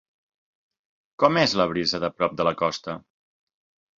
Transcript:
Com és la brisa de prop de la costa?